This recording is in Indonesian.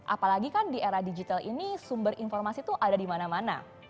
apalagi kan di era digital ini sumber informasi itu ada di mana mana